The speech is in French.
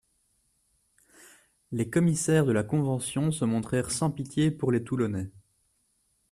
Les commissaires de la Convention se montrèrent sans pitié pour les Toulonnais.